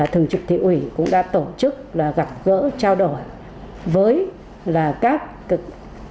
thường trực thị ủy cũng đã tổ chức gặp gỡ trao đổi với các tổ chức